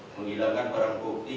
menghilangkan barang bukti